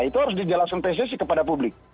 itu harus dijelaskan pssi kepada publik